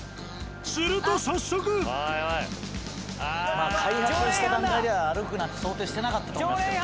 まあ開発した段階では歩くなんて想定してなかったと思いますけどね。